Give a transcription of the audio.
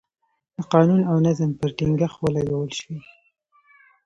د قانون او نظم پر ټینګښت ولګول شوې.